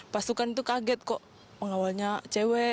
pasukan itu kaget kok mengawalnya cewe